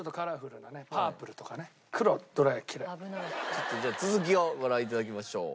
ちょっとじゃあ続きをご覧頂きましょう。